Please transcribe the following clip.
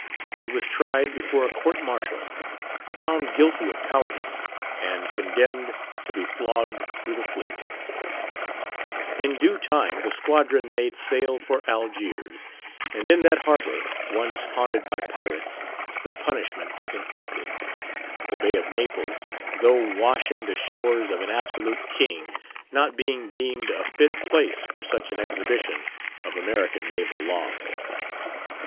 He was tried before a court martial, found guilty of cowardice, and condemned to be flogged through the fleet, In due time the squadron made sail for Algiers, and in that harbour, once haunted by pirates, the punishment was inflicted—the Bay of Naples, though washing the shores of an absolute king, not being deemed a fit place for such an exhibition of American naval law.